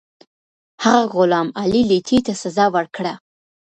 هغه غلام علي لیتي ته سزا ورکړه.